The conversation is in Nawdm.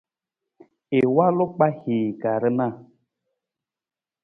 I walu kpahii ka rana.